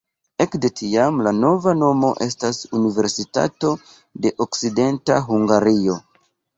Ekde tiam la nova nomo estas Universitato de Okcidenta Hungario.